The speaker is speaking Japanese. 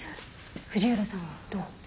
藤浦さんはどう？